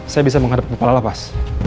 saya bisa menghadap kepala lapas